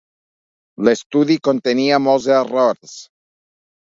L'estudi contenia molts errors.